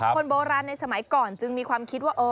คนโบราณในสมัยก่อนจึงมีความคิดว่า